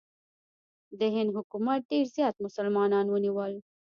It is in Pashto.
د هند حکومت ډېر زیات مسلمانان ونیول.